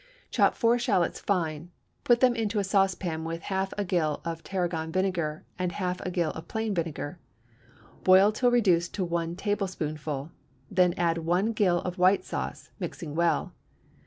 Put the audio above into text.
Chop four shallots fine, put them into a saucepan with half a gill of Tarragon vinegar and half a gill of plain vinegar; boil till reduced to one tablespoonful; then add one gill of white sauce, mixing well.